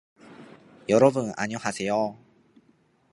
여러분안녕하세요